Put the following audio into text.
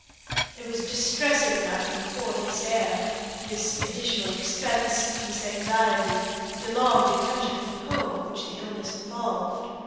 It was distressing enough for poor Miss Eyre this additional expense, this anxiety the long detention from home which the illness involved.